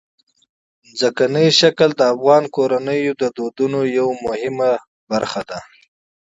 ځمکنی شکل د افغان کورنیو د دودونو یو مهم عنصر دی.